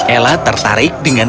ella tertarik dengan